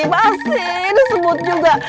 masih disebut juga